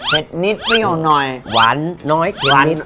ได้ทุกรสชาติเหมือนพี่หอยพูดจริง